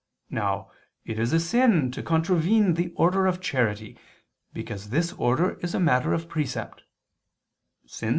Now it is a sin to contravene the order of charity, because this order is a matter of precept.